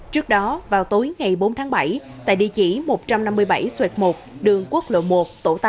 trước đó vào tối ngày bốn tháng bảy tại địa chỉ một trăm năm mươi bảy xuệt một đường quốc lộ một tổ tám